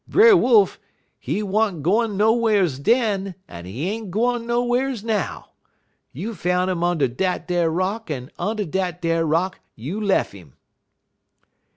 Brer Wolf, he wa'n't gwine nowhars den, en he ain't gwine nowhars now. You foun' 'im und' dat ar rock, en und' dat ar rock you lef 'im.'